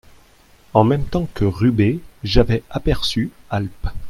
En même temps que Rubé j'avais aperçu Alp.